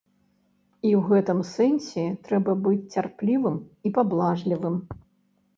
І ў гэтым сэнсе трэба быць цярплівым і паблажлівым.